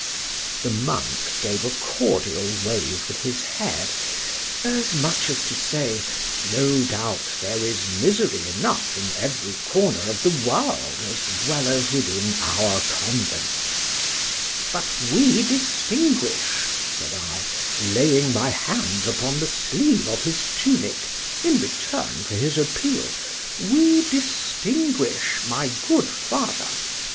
—The monk gave a cordial wave with his head,—as much as to say, No doubt there is misery enough in every corner of the world, as well as within our convent—But we distinguish, said I, laying my hand upon the sleeve of his tunic, in return for his appeal—we distinguish, my good father!